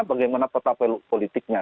bagaimana peta politiknya